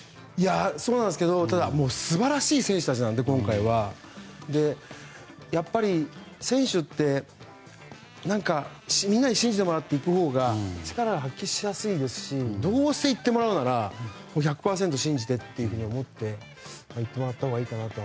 ただ素晴らしい選手なので今回は。やっぱり、選手って皆に信じてもらって行くほうが力が発揮しやすいですしどうせ行ってもらうなら１００％信じてと思って行ってもらったほうがいいなと。